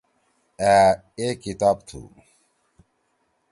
أ اے کتاب تُھو۔